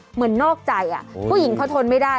เหมือนนอกใจผู้หญิงเขาทนไม่ได้